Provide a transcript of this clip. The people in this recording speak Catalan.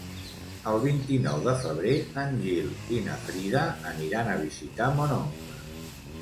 El vint-i-nou de febrer en Gil i na Frida aniran a visitar mon oncle.